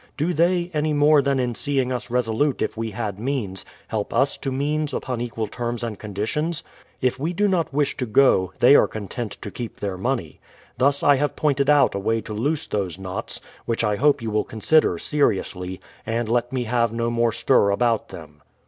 Do they, any more than in seeing us resolute if we had means, help us to means upon equal terms and conditions? If we do not wish to go, they are content to keep their money. Thus I have pointed out a way to loose those knots, which I hope you will consider seriously, and let me have no more stir about them.